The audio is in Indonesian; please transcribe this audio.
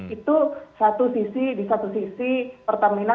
itu satu sisi di satu sisi pertamina